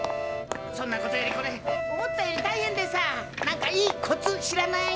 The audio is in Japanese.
そんなことよりこれ思ったよりたいへんでさ何かいいコツ知らない？